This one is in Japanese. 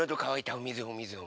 おみずおみず。